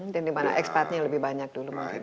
dan di mana expatnya lebih banyak dulu mungkin